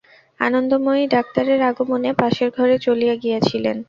আনন্দময়ী ডাক্তারের আগমনে পাশের ঘরে চলিয়া গিয়াছিলেন।